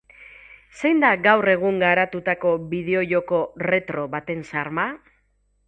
Zein da gaur egun garatutako bideo-joko retro baten xarma?